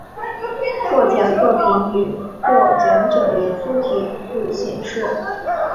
获奖作品与获奖者以粗体字显示。